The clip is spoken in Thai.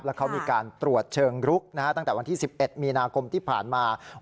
แล้วเขามีการตรวจเชิงรุกตั้งแต่วันที่๑๑มีนาคมที่ผ่านมา